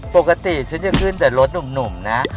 ปกติฉันจะขึ้นแต่รถหนุ่มนะ